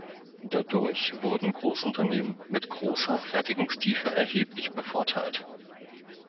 Dadurch wurden Großunternehmen mit großer Fertigungstiefe erheblich bevorteilt.